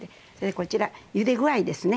こちらゆで具合ですね。